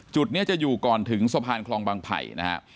จุดนี้จะอยู่ก่อนถึงสะพานคลองบางไผ่นะครับ